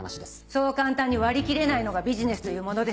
そう簡単に割り切れないのがビジネスというものでしょう。